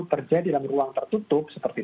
terjadi dalam ruang tertutup seperti